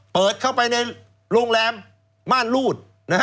เปิดเข้าไปในโรงแรมม่านรูด